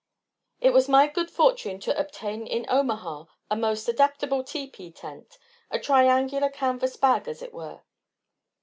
_ It was my good fortune to obtain in Omaha a most adaptable teepee tent, a triangular canvas bag, as it were.